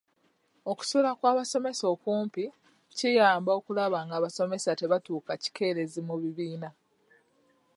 Okusula kw'abasomesa okumpi kiyamba okulaba nga abasomesa tebatuuka kikeerezi mu bibiina.